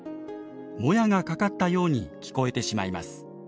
もやがかかったように聞こえてしまいます。